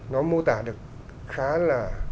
nó mô tả được khá là